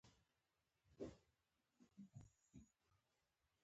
غریبک لیکلي رسالو پر اول مخ لیکل شوي.